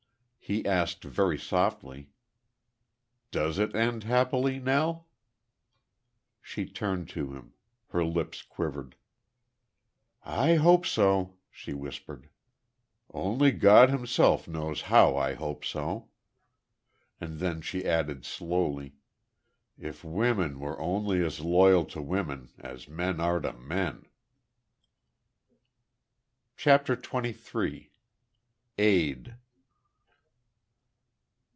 He asked, very softly: "Does it end happily, Nell?" She turned to him. Her lips quivered. "I hope so," she whispered. "Only God Himself knows how I hope so!" And then she added slowly, "If women were only as loyal to women as men are to men!" CHAPTER TWENTY THREE. AID.